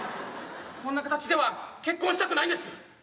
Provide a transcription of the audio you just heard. こんな形では結婚したくないんです。